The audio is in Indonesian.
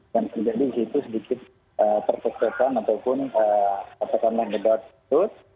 dan jadi disitu sedikit pertekanan ataupun pertekanan yang tidak tutup